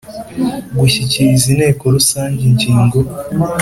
Gushyikiriza Inteko Rusange ingingo